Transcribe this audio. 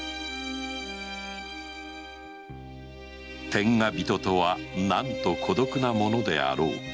天下人とは何と孤独なものであろうか